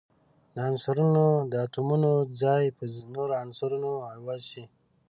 د عنصرونو د اتومونو ځای په نورو عنصرونو عوض شي.